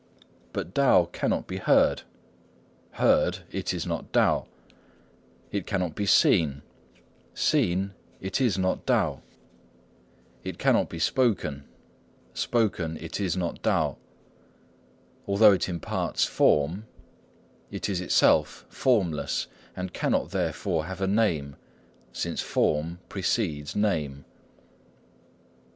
But Tao cannot be heard; heard, it is not Tao. It cannot be seen; seen, it is not Tao. It cannot be spoken; spoken, it is not Tao. Although it imparts form, it is itself formless, and cannot therefore have a name, since form precedes name.